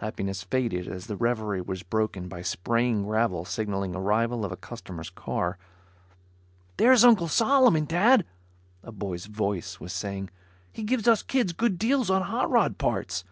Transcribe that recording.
Happiness faded as the reverie was broken by spraying gravel signaling arrival of a customer's car. "There's Uncle Solomon, Dad," a boy's voice was saying. "He gives us kids good deals on hot rod parts.